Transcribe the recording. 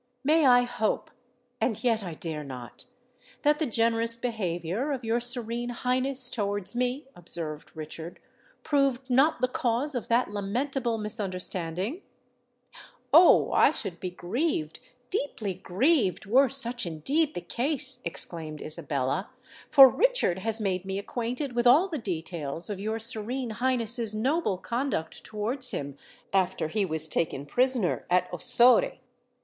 "May I hope—and yet I dare not—that the generous behaviour of your Serene Highness towards me," observed Richard, "proved not the cause of that lamentable misunderstanding?" "Oh! I should be grieved—deeply grieved, were such indeed the case!" exclaimed Isabella; "for Richard has made me acquainted with all the details of your Serene Highness's noble conduct towards him after he was taken prisoner at Ossore."